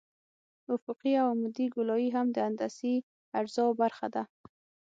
افقي او عمودي ګولایي هم د هندسي اجزاوو برخه ده